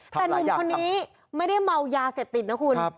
แต่หนุ่มคนนี้ไม่ได้เมายาเสพติดนะคุณ